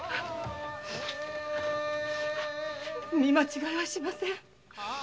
見間違いはしません。